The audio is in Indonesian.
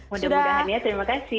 mudah mudahan ya terima kasih